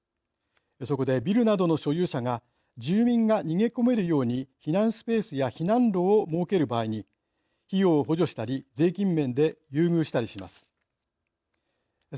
そこでビルなどの所有者が住民が逃げ込めるように避難スペースや避難路を設ける場合に費用を補助したり税金面で優遇したりします。